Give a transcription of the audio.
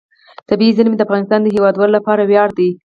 طبیعي زیرمې د افغانستان د هیوادوالو لپاره ویاړ دی.